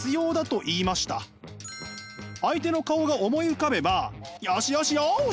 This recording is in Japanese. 相手の顔が思い浮かべばよしよしよし！